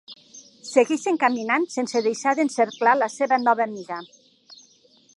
Segueixen caminant sense deixar d'encerclar la seva nova amiga.